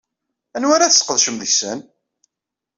Anwa ara tesqedcem deg-sen?